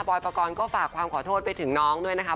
อยปกรณ์ก็ฝากความขอโทษไปถึงน้องด้วยนะคะ